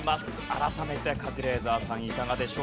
改めてカズレーザーさんいかがでしょうか？